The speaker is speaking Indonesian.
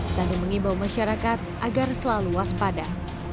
sandiaga uno mengimbau masyarakat agar selalu waspada